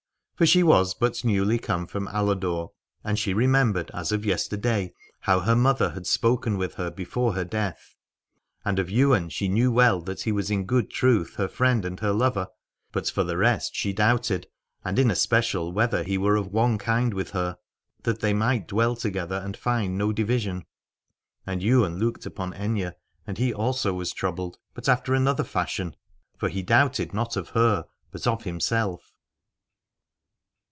For she was but newly come from Aladore, and she remembered as of yesterday how her mother had spoken with her before her death. And of Ywain she knew well that he was in good truth her friend and her lover: but for the rest she doubted, and in especial whether he were of one kind with her, that they might dwell together and find no division. And Ywain looked upon Aithne, and he also was troubled, but after another fashion : 1 66 Aladore for he doubted not of her, but of him self.